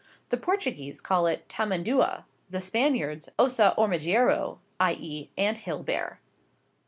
The Portuguese call it Tamandua; the Spaniards, Osa hormiguero (i.e., ant hill bear).